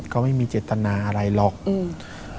ก็ไม่มีเจตนาอะไรหรอกอืม